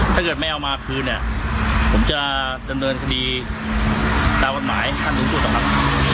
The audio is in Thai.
ถ้าเกิดไม่เอามาคืนเนี่ยผมจะดำเนินคดีตามกฎหมายขั้นสูงสุดนะครับ